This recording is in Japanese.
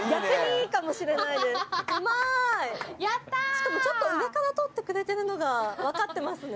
しかもちょっと上から撮ってくれてるのが分かってますね